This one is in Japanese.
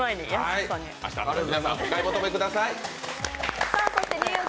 皆さん、お買い求めください。